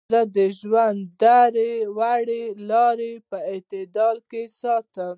زۀ د ژوند درې واړه لارې پۀ اعتدال کښې ساتم -